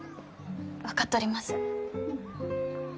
分かっとります。